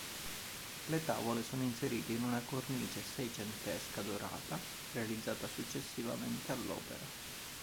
Le tavole sono inserite in una cornice seicentesca dorata realizzata successivamente all'opera.